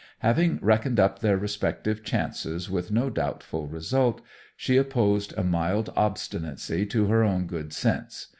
Having reckoned up their respective chances with no doubtful result, she opposed a mild obstinacy to her own good sense.